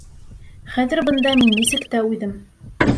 Хәҙер бында мин нисек тә үҙем!